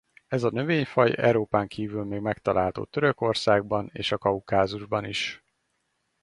Ez a növényfaj Európán kívül még megtalálható Törökországban és a Kaukázusban is.